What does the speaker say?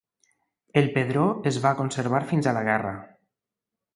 El pedró es va conservar fins a la guerra.